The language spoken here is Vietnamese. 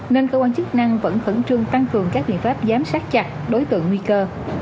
nên cơ quan chức năng vẫn khẩn trương tăng cường các biện pháp giám sát chặt đối tượng nguy cơ